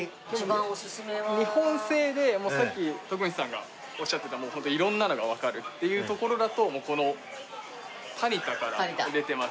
日本製でさっき徳光さんがおっしゃってたホントに色んなのがわかるっていうところだとこのタニタから出てます